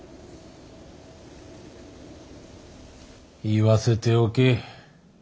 言わせておけ。